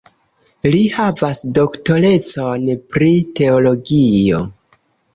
Li havas doktorecon pri teologio.